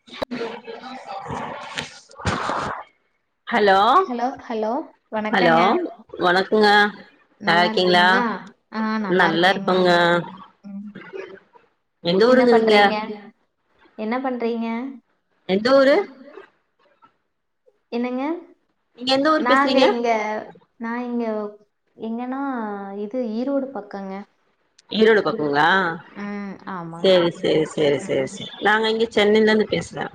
[inaudible] Hello hello வணக்கங்க வணக்கங்க நல்லா இருக்கீங்களா ஆ ஆ நல்லா இருக்கேங்க எந்த என்ன ஊருங்க நீங்க பண்றீங்க எந்த ஊரு என்னங்க நீங்க எந்த ஊரு நாங்க பேசுறீங்க இங்க நா இங்க எங்கன்னா இது ஈரோடு பக்கங்க ஈரோடு பக்கங்களா ம் ஆமாங்க சேரி சேரி சேரி சேரி ம் சேரி நாங்க இங்க சென்னைலந்து பேசுறோ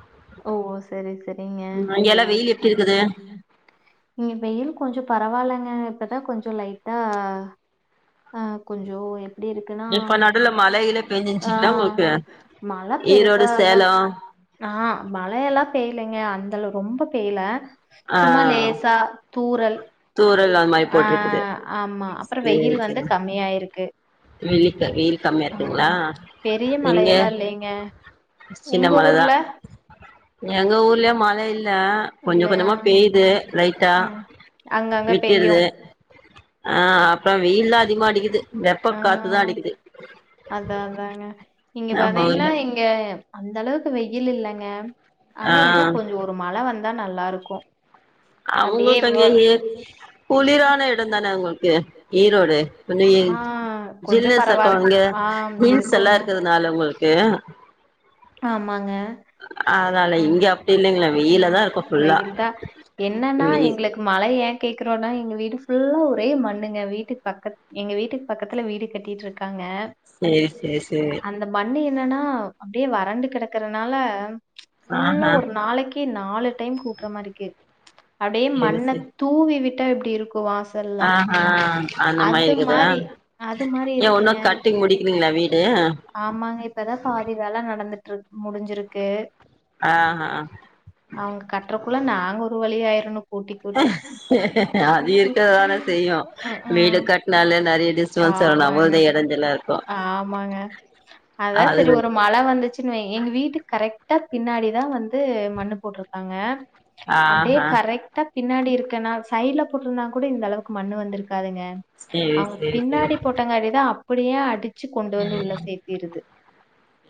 ஓ ஓ சரி சரிங்க எல்லாம் வெயில் எப்டி இருக்குது இங்க வெயில் கொஞ்சோ பரவாயில்லங்க இப்பதா கொஞ்சோ லைட்டா ஆ கொஞ்சம் எப்டி இருக்குன்னா இப்ப நடுவுல மழை கிழ ஆ பெஞ்சுச்சுங்களா உங்களுக்கு மழ ஈரோடு பெருசா அல்ல சேலம் ஆ மழல்லா பெய்லங்க அந்த அளவு ரொம்ப பெய்ல ஆ சும்மா லேசா தூரல் தூரல் அந்த மாரி ஆ போட்டிருக்குது ஆமா அப்புறம் சேரி வெயில் வந்து சேரி கம்மியாயிருக்கு வெயில் க வெயில் கம்மியா ம் இருக்குங்களா ம் பெரிய இங்க மழையெல்லா இல்லைங்க சின்ன உங்க மழ தா ஊர்ல எங்க ஊர்லயு மழ இல்ல கொஞ்சம் இல்லையா கொஞ்சமா பெய்யுது லைட்டா ம் அங்கங்க பெய்யு விட்டிருது ஆ அப்றம் வெயில்லா அதிகமா அடிக்குது வெப்ப காத்துதா அடிக்குது அதா அதா இங்க நம்ம பாத்தீங்ன்னா ஊர்ல இங் ங்கே அந்த அளவுக்கு வெயில் இல்லைங்க ஆ ஆனா என்ன கொஞ்சம் ஒரு மழ வந்தா நல்லாருக்கும் அவுங்களுக்கு அங்கெங்க குளிரான எடம் தான அவுங்ளுக்கு ஈரோடு [unintelligible] ஆ கொஞ்சம் ஜில்னஸ் பரவாயில்ல இக்கவங்க ஆ ஹீல்ஸ் எல்லா இருக்குங்க இக்குதுனால உங்களுக்கு ஏன் ஆமாங்க அதனால இங்க அப்டி இல்லைங்களே ம் ம் வெயிலாதா இருக்கு ஃபுல்லா வெயிலு தா என்னன்னா வெயில் எங்களுக் மழ ஏன் கேட்கறோம்னா எங்க வீடு ஃபுல்லா ஒரே மண்ணுங்க வீட்டுக்கு பக்கத் எங்க வீட்டுக்கு பக்கத்துல வீடு கட்டிட்டு இருக்காங்க செரி செரி செரிங்க இந்த மண்ணு என்னனா அப்டியே வறண்டு கெடக்கறனால ஃபுல்லா ஆஹா ஒரு நாளைக்கு க்கி நாலு டைம் கூட்டுற மாரிக்கு இருக்கு அப்டியே சேரி மண்ண சேரி தூவி விட்டா எப்டி இருக்கு வாச சல்ல ஆஹா அந்த அது இருக்குதா மாரி அது மாரி ஏ உன்னு இருக்குங்க கட்டி முடிக்கலீங்களா வீடு ஆமாங்க இப்பதா பாதி வேல நடந்துட்டுரு முடிஞ்சிருக்கு ஆஹ அவங்க கட்டுறக்குள்ள நாங்க ஒரு வழி ஆயிரணு கூட்டி கூட்டி அது இருக்க தானே செய்யு ம் வீடு ம் கட்னால நெறைய டிஸ் ஆமாங்க ஆமாங்க அதா சரி அதுக்கு ஒரு மழ வந்துச்சுன்னு வை எங்க வீட்டு கரெக்டா பின்னாடிதா வந்து மண்ணு போட்டுருக்காங்க அப்டியே ஆஹா கரெக்ட்டா பின்னாடி இருக்கன்னா சைட்ல போட்டிருந்தா கூட இந்த அளவுக்கு மண்ணு வந்துருக்காதுங்க சேரி அவுங்க சேரி சேரி பின்னாடி போட்டங்காரிதா அப்டியே அடிச்சு கொண்டு வந்து உள்ள சேத்திருது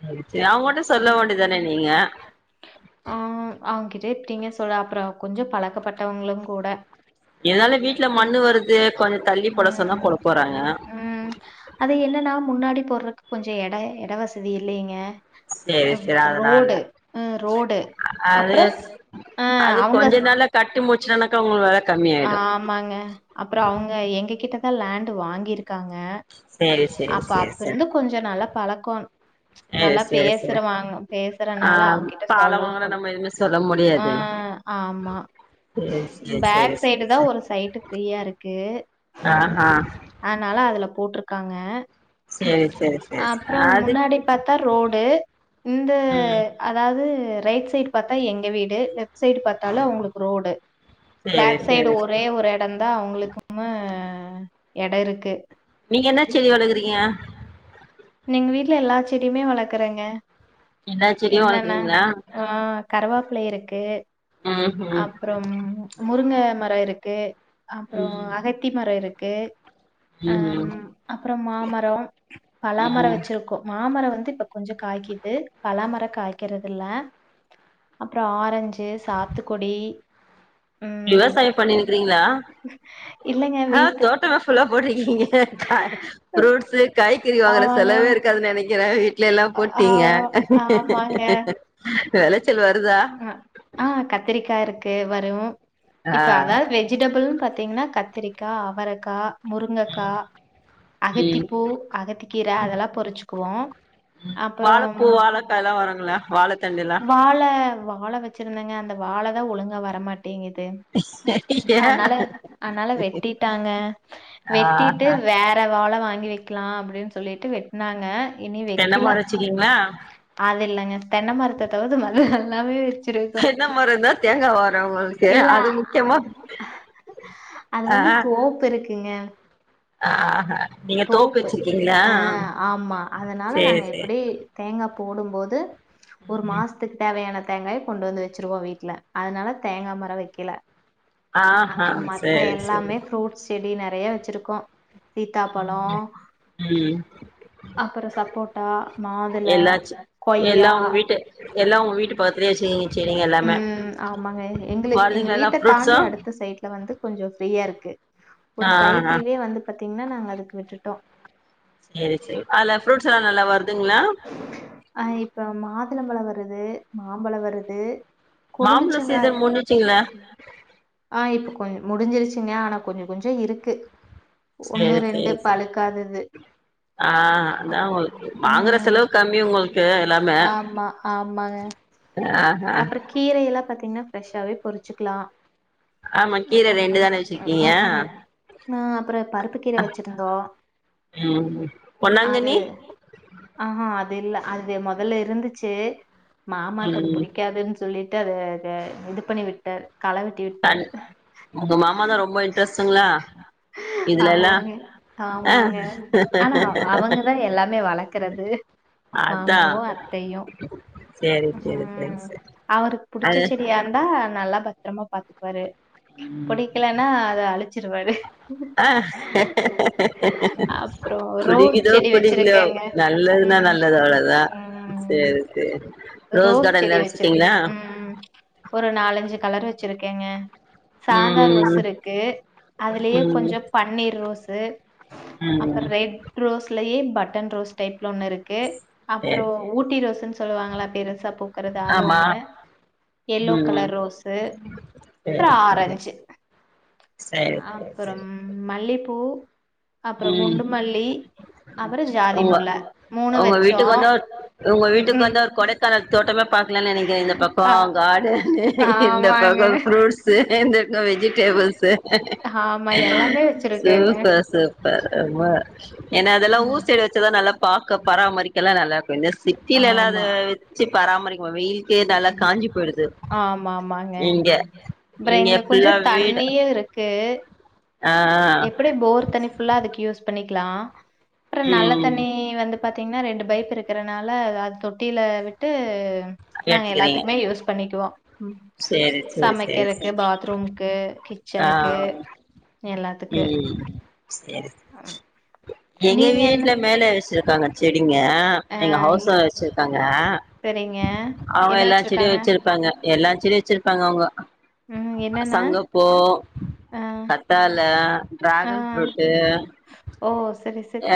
சரி செரி அவுங்கட்ட சொல்ல வேண்டியதானே நீங்க ஆ அவங்கிட்ட எப்டிங்க சொல்ல அப்பறோ கொஞ்சோ பழக்கப்பட்டவங்களும் கூட இதனால வீட்ல ம் மண்ணு வருது கொஞ்சொ தள்ளி போட சொன்னா ம் போடப் போறாங்க ம் அது என்னனா முன்னாடி போடுறக்கு கொஞ்சொ எட எட வசதி இல்லைங்க சேரி சேரி அதனால ரோடு ம் ரோடு அது அப்பறோ ஆ அது அவங்க கொஞ்ச நாள்ல கட்டி முடிச்சுறனக்கா உங்களுக்கு வேல கம்மியாயிடு ஆமாங்க அப்பறோ அவங்க எங்க கிட்டதா லேண்ட் வாங்கிருக்காங்க சேரி சேரி அப்ப சேரி அப்ப சேரி இருந்து கொஞ்சொ நல்லா பழக்கோ சேரி நல்லா சேரி சேரி பேசுறவாங்க ஆ பேசுறனால அவங்கிட்ட சொல்லவு பாலவாங்கல முடியு நம்ம எதுவுமே சொல்ல ஆ ஆமா சேர் செரி செரி சைடுதா ஒரு சைடு ஃப்ரீயா இருக்கு ஆஹா அனால அதுல போட்ருக்காங்க சேரி சேரி சேரி அப்பறோ அது முன்னாடி பாத்தா ரோடு இந்த ம் அதாவ்து ரைட் சைடு பாத்தா எங்க வீடு லெஃப்ட் சைடு பாத்தாலு அவங்களுக்கு ரோடு சேரி பேக் சைடு சரி ஒரே ஒரு எடந்தா அவங்களுக்கும எட இருக்கு நீங்க என்ன செடி வளகுறீங்க எங்க வீட்ல எல்லா செடியுமே வளக்குறங்க எல்லா செடியு வளக்குறீங்களா ஆ கருவாப்புல இருக்கு ம் ம் அப்புறம் முருங்க மரோ இருக்கு அப்பறோ ம் அகத்தி மரோ இருக்கு ம் ஹம் அப்பறோ மாமரோ பலா மரோ ம் வச்சிருக்கோ மாமரோ வந்து இப்ப கொஞ்சொ காய்க்குது பலாமரோ காய்க்கறது இல்ல அப்பறோ ஆரஞ்சு சாத்துக்குடி ம் விவசாயம் பண்ணிருக்கிறீங்களா இல்லங்க வீட்டு அ ஃப்ரூட்ஸ்ஸு காய்கறி வாங்குற ஆமாங்க செலவே இருக்காது நெனைக்கிறே வீட்லெல்லா க்கு ஆ போட்டீங்க ஆமாங்க வெளச்சல் வருதா ஆ கத்திரிக்கா இருக்கு வரு ஆ இப்ப அதாவ்து வெ ஜிடபிள்னு பாத்தீங்கன்னா கத்திரிக்கா அவரைக்கா முருங்கக்கா ம் அகத்திபூ அகத்திகீர அதெல்லா பொறிச்சிக்குவோ அப்புறம் வாழப்பூ வாழக்கால்லா வருங்களா வாழத்தண்டுலா வாழ வாழ வச் ச்சிருந்தேங்க அந்த வாழ தா ஒழுங்கா வரமாட்டேங்குது ஏ அன்னால அன்னால வெட்டிடாங்க வெட்டிட்டு ஆஹ வேற வாழ வாங்கி வெக் க்கெலா அப்டின்னு சொல்லிட்டு வெட்னாங்க இனி தென்ன வெக்கெல மரோ வச்சிருக்கீங்களா அது இல்லங்க தென்ன மரத்த தவித்து மது எல்லாமே வெக் க்கிறதுக் தென்ன மரோந்தா தேங்கா வரு உங்களுக்கு இல்ல அது முக்கியமா அது ஆ வந்து தோப்பு இருக்குங்க ஆஹ நீங்க தோப்பு வச்சிருக்கீங்களா ஆ ஆமா அதனால சேரி நாங்க சேரி ஈ தேங்கா போடும்போது ஒரு மாசத்க்கு தேவையான தேங்காய கொண்டு வந்து வச்சிருவோ வீட்ல அதனால தேங்கா மரோ வெக்கெல ஆஹா அப்றோ மத்த சேரி சேரி எல்லாமே ப்ரூட்ஸ் செடி நெறைய வச்ருக்கோ சீத்தாபழோ ம் அப்றோ சப்போட் ஆ மாதுள எல்லாச்சு எல்லா கொய்யா உங்க வீட்டு எல்லா உங்க ம் வீட்டு பக்கத்துலயே வச்சிருக்கீங்க செடிங்க எல்லாமே ம் ஆமாங்க எங்ளுக் எங்க வருதுங்களா எல்லா வீட்ட ஃப்ரூட்ஸு தாண்டி அடுத் து சைட்ல வந்து கொஞ்சோ ப்ரீயா இருக்கு ஒரு ஆ ஆ சைட்டே வந்து பாத்தீங்கன்னா நாங்க அதுக்கு விட்டுட்டோ சேரி சேரி அதுல ஃப்ரூட்ஸ் எல்லா நல்லா வருதுங்களா அ இப்ப மாதுளம் ‌பழம் வருது மாம்பழம் வருது மாம்பழோ கொலுமிச்சங்காய் சீசன் முடிஞ்சிச்சுங்களா ஆ இப்ப கொஞ்சம் முடிஞ்சிருசிங்க ஆனா கொஞ்சோ கொஞ்சோ இருக்கு ஒண்ணு சேரி ரெண்டு சேரி சேரி பழுக்காதது ஆ அதாவு வாங்குற ம் செலவு கம்மி உங்ளுக்கு எல்லாமே ஆமா ஆஹான் கீரயெல்லா பாத்தீங்கன்னா ஃப்ரெஷ்ஷாவே பொறுச்சுக்கலா ஆமா ம் கீர ம் ரெண்டு தான வச்சிருக்கீங்க ம் ம் ஆ அப்றோ பருப்பு கீரய வச்சிருந்தோ யோ பொன்னாங்கன்னி ஆஹாங் அது இல்ல அது மொதல்ல இருந்துச்சு மாமாக்கு அது ம் புடிக்காதுன் சொல்லிட்டு அத இது பண்ணி விட்டார் கள வெட்டிட்டு சன் உங்க மாமா தா ரொம்ப இன்ட்ரெஸ்ட்டுங்களா இதுல எல்லா ஆமாங்க ஆ ஆமாங்க ஆனா அவங்கதா எல்லாமே வளக் க்கிறது அதா மாமாவு அத்தையு சேரி சேரி சேரி ம் சேரி அவருக்கு புடிச்ச அது செடி அத்தா நல்லா பத்ரமா பாத்துக்குவாரு ம் புடிக்கலன்னா அத அழிச்சிருவாரு ஆ அப்றோ ரோஸ் செடி வச்சிருக்கேங்க எதுனா ம் நல்லது அவ்ளோதா ம் சரி சரி ரோஸ் கார்டன் ல்லா செடி வச்சிரு வச்சுருக்கீங்களா ம் ஒரு நாலஞ்சு கலர் வச்சிருக்கேங்க சாதா ரோஸ் ம் இருக்கு அதுலயே ம் ம் கொஞ்சோ பன்னீர் ரோஸு அப்புறோ ம் ரெட் ரோஸ்லயே பட்டன் ரோஸ் டைப்ல ஒன்னு இருக்கு அப்றோ சேரி ஊட்டி ரோசுன்னு சொல்லுவாங்கல்ல பெருசா பூக்குறது அது ஆமா ஒண்ணு எல்லோ ம் கலர் ரோஸு அப்றோ ஆரஞ்சு செர் செர் செ ரி அப்புறம் மல்லிப்பூ அப்றோ ம் குண்டுமல்லி அப்றோ ஜாதி மல் உங்க முல்ல மூணு வச்சோ [unintelligible] உங்க ம் வீட்டுக்கு வந்தா ம் கொடைக்கானல் தோட்டமே பாக்கலானு நெனைக்றே இந்த பக்கோ ஆ கார்டன்னு இந்த ஆமாங்க பக்கோ ஃப்ரூட்ஸ்ஸு இந்த பக்கோ வெஜிடேபிள்ஸு ஆமா எல்லாமே வச்சிருக்கேங்க சூப்பர் சூப்பர் ஆமா ஏன்னா அதெல்லா ஊர் சைடு வச்சதா நல்லா பாக்க பராமரிக் க நல்லா இருக்கு இந்த சிட்டியிலல்லா அத ஆமா வச்சு பராமரிக்க வெயிலுக்கே நல்லா காஞ்சி பொய்டுது ஆமா ஆமாங்க அப்றோ இங்க எங்ளுக்கு கொஞ்சோ ஃபுல்லா தண்ணியு இருக்கு அ அ எப்டி போர் தண்ணி ஃபுல்லா அதுக்கு யூஸ் பண்ணிக்லா அப்றோ நல்ல ம் தண்ணி வந்து பாத்திங்ன்னா ரெண்டு பைப் இருக் இருக்கறனால அது தொட்டியில விட்டு நாங்க எடுத்துக்கிறீங்க எல்லாத்துக்குமே யூஸ் பண்ணிக்குவோ சேரி சேரி சேரி சமைக்கிறக்கு சேரி பாத்ரூம்க்கு ஆ கிச்சனுக்கு எல்லாத்துக்கு ம் சேரி ம்ம்ம் எங்க வீட்ல மேல வச்சிருக்காங்க செடிங்க எங்க ஹவுஸ் ஓனர் வச்சிருக்காங்க செரிங்க அவுங்க எல்லா செடியு வச்சிருப்பாங்க எல்லா செடியு வச்சிருக்காங்க அவுங்க ம் என்னென்ன சங்குப்பூ ஆ கத்தாழ டிராகன் ஆ ஃப்ரூட்டு் ஓ சரி சரி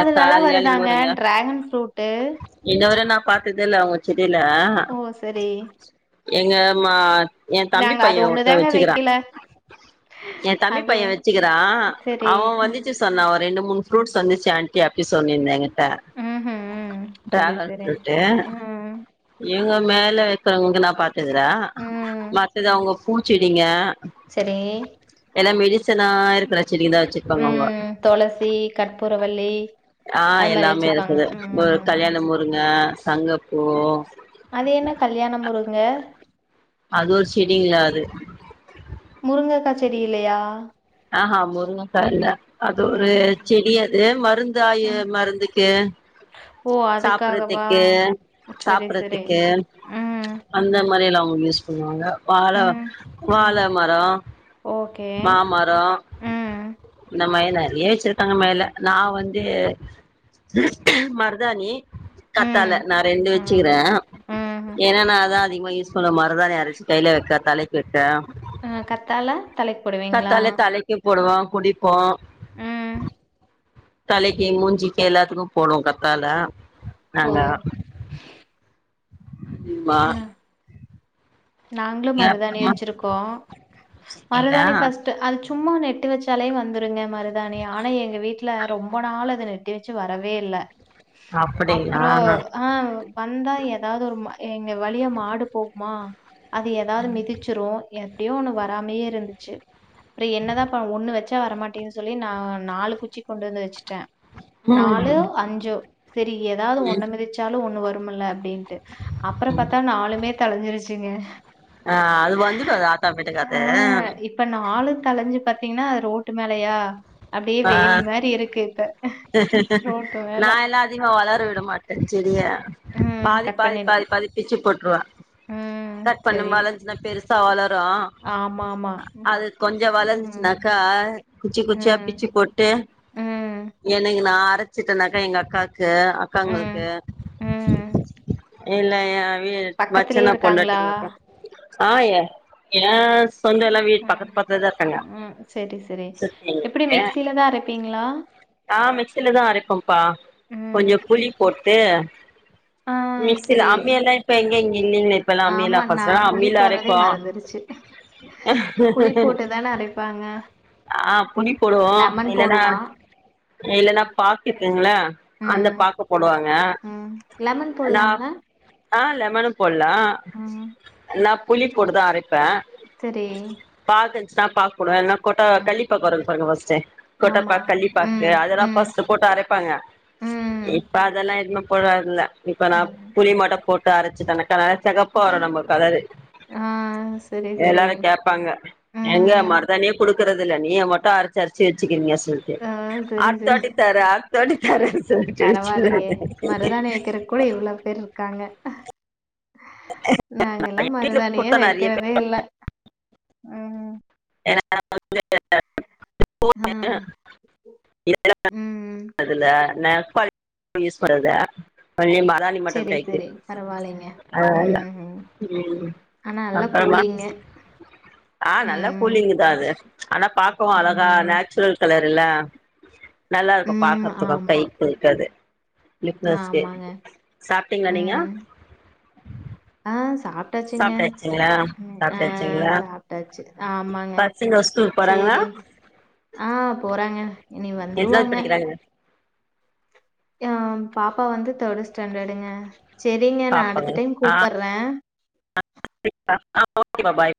அது நல்லா கால்யாணி வருதாங்க டிராகன் ஃப்ரூட்டு் இதுவர நா பாத்தது இல்ல அவுங்க செடில ஓ செரி எங்க மா எ தம்பி நாங்க அது பைய ஒருத்த ஒண்ணுதாங்க வச்சுக்கிறா வைக்கல எ தம்பி அது பைய வச்சுக்கிறா சரி அவ வந்து சஸ் சொன்னா ஒரு ரெண்டு மூனு ஃபுருட்ஸ் வந்துச்சு ஆண்ட்டி அப்டி சொன்னிருந்தா ஏங்க்கிட்ட ம்ஹும் சரி டிராகன் சரி ஃபுரூட்டு ம் இங்க மேல இருக்கறவங்குள்த நா பாத்துகுறே ம் மத்தது அவுங்க பூச்செடிங்க சரி எல்லா மெடிசனா இருக்ற செடிதா வச்சிருப்பாங்க அவுங்க தொளசி கற்பூரவள்ளி ஆ அது மாரி எல்லாமே வச்சிருப்பாங்க இருக்குது ஒரு ம் கல்யாண முருங்க சங்குப்பூ அது என்ன கல்யாண முருங்க அது ஒரு செடிங்க அது முருங்கக்கா செடி இல்லையா ஆஹ முருங்கக்கா இல்ல அது ஒரு ம் செடி அது மருந்து ஆயி ம் மருந்துக்கு ஓ அதுக்காகவா சாப்புட்றதுக்கு சரி சரி சாப்புட்றதுக்கு ம் அந்த மாரி எல்லா அவுங்களுக்கு யூஸ் பண்ணுவாங்க வாழ ம் வாழ ம் மரோ ஓகே அப்றோ ம் இந்த மாரி நெறைய வச்சிருக்காங்க மேல நா வந்து மர்தாணி கத்தாழ ம். நா ரெண்டு ம். வச்சுக்கிறே ம். ஏன்னா நா அதா அதிகமா யூஸ் சொல்ல மருதாணி அரச்சு கைல வைக்காத்தாலே [unintelligible] ம் கத்தாழ தலைக் போடுவீங்ளா தலைக்கு போடுவோ குளிப்போ ம். தலைக்கு மூஞ்சிக்கு எல்லாத்துக்கு போடுவோ கத்தாழ ஓ! நாங்க ம்மா நாங்ளு மருதாணி அப்புறமா வெச்சுருக்கோ வச்சிருக்கீங்களா மருதாணி ஃபஸ்ட்டு அரச்சு சும்மா நெட்டு வச்சாலே வந்துருங்க மருதாணி ஆனா எங்க வீட்டு ல ரொம்ப நாள் அது நெட்டு வச்சு வரவே இல்ல அப்படிங்களா அப்பறோ ஆ வந்தா ஏதாவது ஒரு எங்க வழியா மாடு போகுமா அது ஏதாவது மிதிச்சுரு எப்டியோ ஒண்ணு வராமயே இருந்துச்சு அப்றோ என்னதா பா ஒண்ணு வெச்சா வரமாட்டேங்குது சொல்லி நான் நாலு குச்சி கொண்டு வந்து வெச்சுட்ட நாலு ம் அஞ்சோ சேரி ஏதாவது ஒண்ணு ம் மிதிச்சாலு ஒண்ணு வரும்முல அப்டின் டு அப்பற ம் பாத்தா நாலுமே தழஞ்சிருச்சிங்க ஆ அது வந்துடு அது ஆத்தாமேட்டிக்கா அது இப்ப நாலு தழஞ்சு பாத்தீங்கன்னா அது ரோட்டு மேலயா அப்டியே ஆ வேலி மாரி இருக்கு இப்ப ரோட்டு மேல அதிகோ வளர விட மாட்ட செடிய ம். பாதி கட் பாதி பண்ணிரு. பாதி பாதி பிச்சு போட்டுருவா ம். கட் சரி. பண்ணுமால பெருசா வளரு ஆமாமா. அது கொஞ்சோ ம். வளந்துச்சுனாக்கா குச்சி குச்சியா ம். பிச்சு ட்டு ம். எனக்கு நா அரச்சுட்டன்னாக்கா எங்க அக்கா க்கு ம். அக்காங்களுக்கு ம். இல்ல எ வீ பக்கத்திலயே மச்சினா இருக்காங்களா? பொண்டாட்டிங்களுக்கு ஆ ஏ ஏன் சொந்தோ எல்லா வீட் ம். பக்கத் பக்கத்தில தா இருக்காங்க ம். சுத்தி எங்ளுக்கு ப்பீங்களா ஆ மிக்சிலதா அரைப்போம்ப்பா ம். கொஞ்சோ புளி போட்டு ஆ மிக்ஸில சரி. அம்மி எல்லா இப்ப எங்க இங்க இல்லீல இப்பெல்லா அம்மிலா ஆமா நா ஃபஸ்ட்லா புளி அம்மீல போட்றதே அரைப்போ மறந்துருச்சு புளி போட்டு தான அரைப்பாங்க ஆ புளி போடுவோ லெமன் இல்லன்னா போட்லா இல்லன்னா பாக்கு இருக்குங்கல்லே அந்த ம் பாக்க போடுவாங்க ம் லெமன் நா போட்லால்ல ஆ லெமனு போடலா ம் நா புளி போட்டுதா அரைப்ப சேரி பாக்கு இருந்துச்சுன்னா பாக்கு போடுவ இல்லனா கொட்ட ம் கள்ளி பாக்கு வருது பாருங்க ஃபஸ்ட்டே கொட்டப் ஆமா பாக் கள்ளிப் பாக்கு ம் அதெல்லா ம் ஃபஸ்ட் போட்டு அரைப்பாங்க ம் இப்ப அதெல்லா எதுவுமே போடறதில்ல இப்ப நா அது புளி மட்டு போட்டு அரச்சுட்டனே னாலே செகப்பா வரு நம்ம கலரு ஆ செரி செரி எல்லாரு கேப் ப்பாங்க எங்க ம் மருதாணியே குடுக்குறதில்ல நீ மட்டு அரச்சு அரச்சு வெச்சுக்கறீங்க சொல் டு ஆ செரி செரி அடுத்தவாட்டி தர அடுத்தவாட்டி தரனு சொல்ட்டு வெச்சுக்குவ பரவால்லயே மருதாணி வெக்கிறக்கு கூட இவ்ளோ பேர் இருக்காங்க நாங்கெல்லா எங்க வீட்ல மருதாணியே குடுத்தா நெறைய பேர் வெக்கறதே இல்ல ம் ம் [unintelligible] ம் [unintelligible] [unintelligible] பண்ணி மருதாணி மட்டு செரி கைக்கு செரி பரவால்லைங்க ஆ ம் ம் ஆனா நல்லா அப்பறமா கூலிங்கு ஆ நல்ல ம். கூலிங்குதா அது ஆனா பாக்கவு அழகா ஆமாங்க. நேச்சுரல் கலரு இல்ல நல்லாருக்கு ம். பாக்கறத்துக்கு கை ஆமா. வெக்கறது ஆமாங்க. [unintelligible] சாப்டீங்களா நீங்க ம். ஆ சாப் ட்டாச்சுங்க சாப்ட்டாச்சுங்களா ஆ சாப்ட்டாச்சுங்களா சாப்பிட்டாச்சு ஆமாங்க பசங்க ஸ்கூல் போறாங்களா சேரி ஆ போறாங்க இனி எத்தனாவது வந்துருவாங்க படிக்கிறாங்க ஏன் பாப்பா வந்து தேர்டு ஸ்டாண்டடுங்க செரிங்க நா அடுத்த டைம் கூப்புர்ற [inaudible] ஓகேபா பாய்